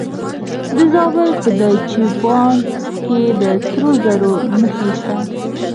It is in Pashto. د زابل په دایچوپان کې د سرو زرو نښې شته.